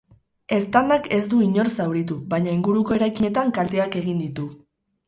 Eztandak ez du inor zauritu, baina inguruko eraikinetan kalteak egin ditu.